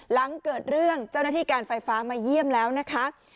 หลังเกิดเรื่องเจ้าหน้าที่การไฟฟ้ามาเยี่ยมแล้วนะคะ